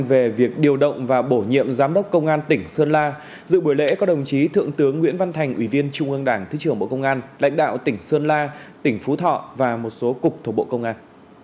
về việc điều động và bổ nhiệm giám đốc công an tỉnh sơn la dự buổi lễ có đồng chí thượng tướng nguyễn văn thành ủy viên trung ương đảng thứ trưởng bộ công an lãnh đạo tỉnh sơn la tỉnh phú thọ và một số cục thuộc bộ công an